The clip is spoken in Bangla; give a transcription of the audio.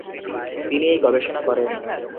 তিনি এই গবেষণা করেন।